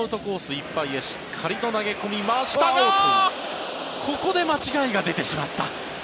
いっぱいへしっかりと投げ込みましたがここで間違いが出てしまった。